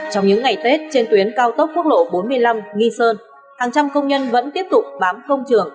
trong những ngày tết trên tuyến cao tốc quốc lộ bốn mươi năm nghi sơn hàng trăm công nhân vẫn tiếp tục bám công trường